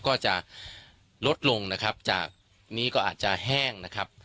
ก็จะลดลงนะครับจากนี้ก็อาจจะแห้งนะครับ